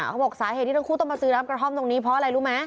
เขาบอกสาเหตุที่ทั้งคู่ต้องมาซื้อน้ำกระท่อมตรงนี้เพราะอะไรรู้ไหม